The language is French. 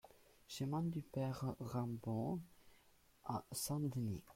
Chemin du Pere Raimbault à Saint-Denis